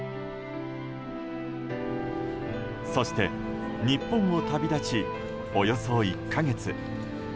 そして日本を旅立ちおよそ１か月。